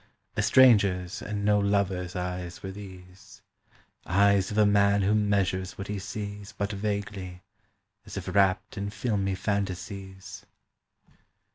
A stranger's and no lover's Eyes were these, Eyes of a man who measures What he sees But vaguely, as if wrapt in filmy phantasies.